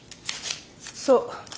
そう。